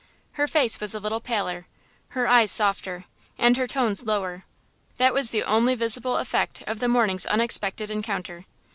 Her face was a little paler, her eyes softer, and her tones lower–that was the only visible effect of the morning's unexpected rencounter.